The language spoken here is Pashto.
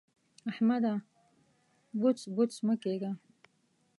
احمده! بوڅ بوڅ مه کېږه.